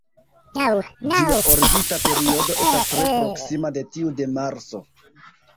Ĝia orbita periodo estas tre proksima de tiu de Marso.